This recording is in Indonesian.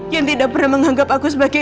yang tidak pernah menganggap aku sebagai